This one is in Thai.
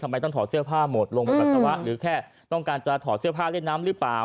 ทำไมต้องถอดเสื้อผ้าหมดลงมาปัสสาวะหรือแค่ต้องการจะถอดเสื้อผ้าเล่นน้ำหรือเปล่า